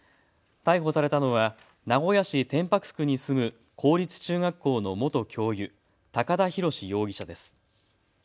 逮捕されたのは名古屋市天白区に住む公立中学校の元教諭、高田廣司容疑者です。